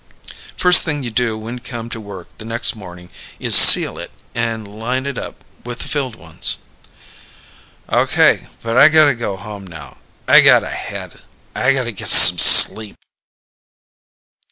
First thing you do when you come to work the next morning is seal it and line it up with the filled ones." "Okay, but I gotta go home now. I got a head. I gotta get some sleep."